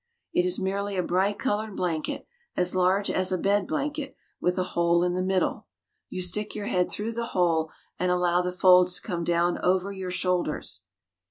It is merely a bright colored blanket as large as a bed blanket, with a hole in the middle. You stick your head through the hole and allow the folds to come down over your shoul ders.